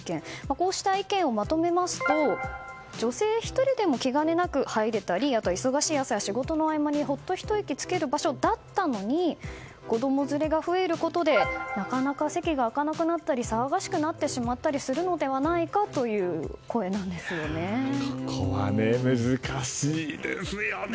こうした意見をまとめますと女性１人でも気兼ねなく入れたり忙しい朝や仕事の合間にほっとひと息つける場所だったのに子供連れが増えることでなかなか席が空かなくなったり騒がしくなったりするのではないかというここは難しいですよね。